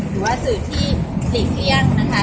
หรือว่าสื่อที่หลีกเลี่ยงนะคะ